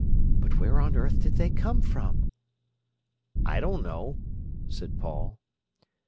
But where on earth did they come from?" "I don't know," said Paul.